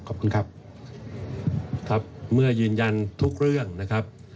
ขอบคุณครับครับเมื่อยืนยันทุกเรื่องนะครับ